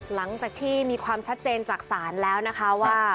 หลังจากที่มีความชัดเจนจากศาลแล้วนะคะว่า